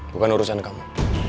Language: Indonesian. bukan urusan kamu